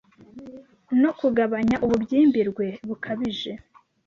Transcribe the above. no kugabanya ububyimbirwe bukabije